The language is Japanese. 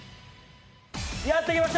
やって来ました。